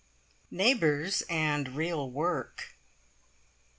NEIGHBOURS AND REAL WORK.